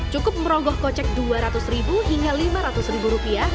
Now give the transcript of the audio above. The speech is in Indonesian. cukup merogoh kocek dua ratus hingga lima ratus rupiah